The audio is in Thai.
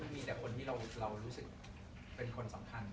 มีแต่คนที่เรารู้สึกเป็นคนสำคัญ